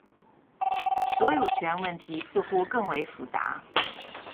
所有权问题似乎更为复杂。